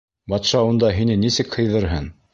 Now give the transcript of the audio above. Батша унда һине нисек һыйҙырһын?